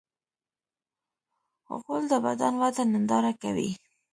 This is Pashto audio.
غول د بدن وده ننداره کوي.